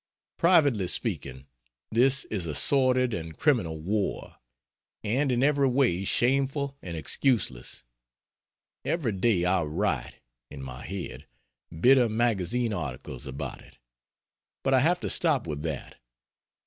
Privately speaking, this is a sordid and criminal war, and in every way shameful and excuseless. Every day I write (in my head) bitter magazine articles about it, but I have to stop with that.